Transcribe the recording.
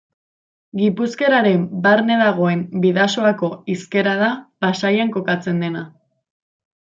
Gipuzkeraren barne dagoen Bidasoako hizkera da Pasaian kokatzen dena.